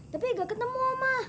tapi gak ketemu oma